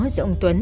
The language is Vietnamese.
giữa ông tuấn